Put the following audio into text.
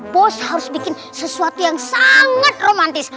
bos harus bikin sesuatu yang sangat romantis